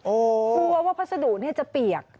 โอ้โฮคือว่าพัสดุนี่จะเปียก